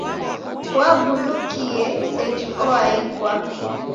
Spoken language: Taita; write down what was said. Wabulukie, seji oaikwa!